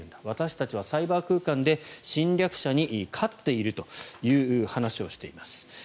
私たちはサイバー空間で侵略者に勝っているという話をしています。